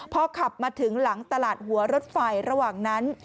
พอขับมาถึงหลังตลาดหัวรถไฟระหว่างนั้น